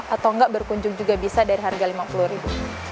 atau enggak berkunjung juga bisa dari harga rp lima puluh ribu